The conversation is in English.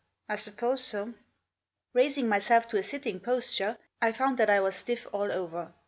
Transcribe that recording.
" I suppose so." Raising myself to a sitting posture I found that I was stiff all over.